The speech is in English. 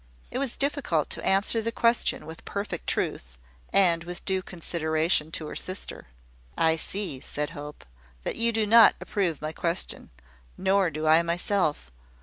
It was difficult to answer the question with perfect truth, and with due consideration to her sister. "I see," said Hope, "that you do not approve my question: nor do I myself.